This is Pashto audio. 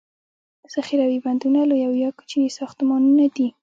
ذخیروي بندونه لوي او یا کوچني ساختمانونه دي.